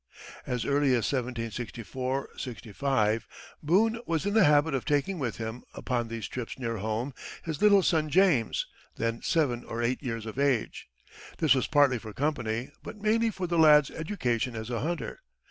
As early as 1764 65 Boone was in the habit of taking with him, upon these trips near home, his little son James, then seven or eight years of age. This was partly for company, but mainly for the lad's education as a hunter.